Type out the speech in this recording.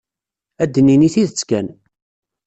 Ad d-nini tidet kan.